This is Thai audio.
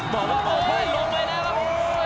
บอกว่าโอ้ยลงไปแล้วครับ